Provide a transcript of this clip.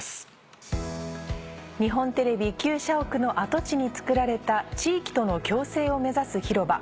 日本テレビ社屋の跡地に作られた地域との共生を目指す広場